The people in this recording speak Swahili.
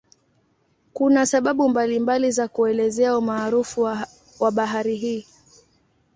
Kuna sababu mbalimbali za kuelezea umaarufu wa bahari hii.